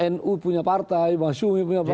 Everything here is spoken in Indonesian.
nu punya partai masyuhi punya partai